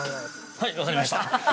◆はい、分かりました。